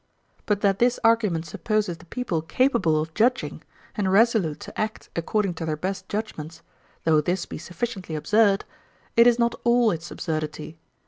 But that this argument supposes the people capable of judging, and resolute to act according to their best judgments, though this be sufficiently absurd, it is not all its absurdity.